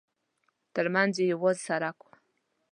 ترمنځ یې یوازې سړک و.